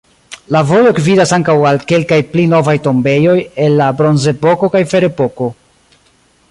La vojo gvidas ankaŭ al kelkaj pli novaj tombejoj el la bronzepoko kaj ferepoko.